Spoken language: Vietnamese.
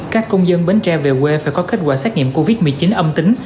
các công dân bến tre về quê phải có kết quả xét nghiệm covid một mươi chín âm tính